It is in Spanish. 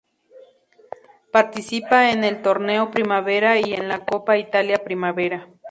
Participa en el Torneo Primavera y en la Copa Italia Primavera.